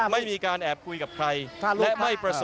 ไม่มีการแอบคุยกับใคร